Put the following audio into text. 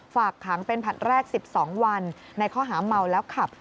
ฝากขังเป็นผลัดแรก๑๒วันในข้อหาเมาแล้วขับ